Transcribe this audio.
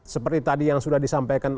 seperti tadi yang sudah disampaikan